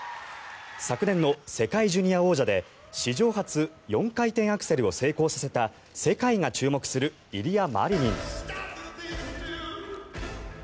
昨年の世界ジュニア王者で史上初４回転アクセルを成功させた世界が注目するイリア・マリニン。